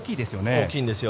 大きいんですよ。